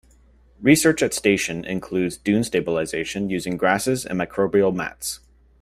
Research at station includes dune stabilization using grasses and microbial mats.